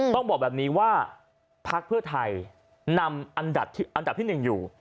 ต้องบอกแบบนี้ว่าพักเพื่อไทยนำอันดับที่๑อยู่